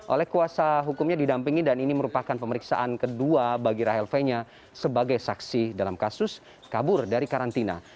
oleh kuasa hukumnya didampingi dan ini merupakan pemeriksaan kedua bagi rahel fenya sebagai saksi dalam kasus kabur dari karantina